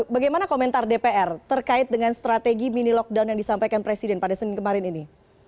bagaimana komentar dpr terkait dengan strategi mini lockdown yang disampaikan presiden pada senin kemarin ini